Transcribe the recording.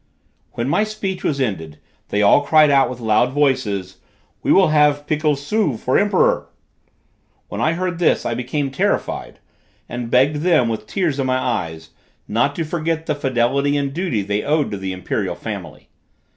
When my speech was ended, they all cried out with loud voices: "We will have Pikil Su, for emperor." When I heard this, I became terrified, and begged them, with tears in my eyes, not to forget the fidelity and duty they owed to the imperial family.